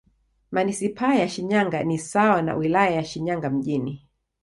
Manisipaa ya Shinyanga ni sawa na Wilaya ya Shinyanga Mjini.